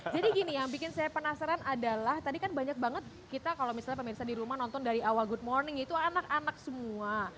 jadi gini yang bikin saya penasaran adalah tadi kan banyak banget kita kalau misalnya pemirsa di rumah nonton dari awal good morning itu anak anak semua